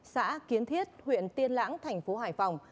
xã kiến thiết huyện tiên lãng tp hải phòng